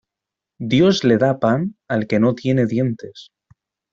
Dios le da pan, al que no tiene dientes.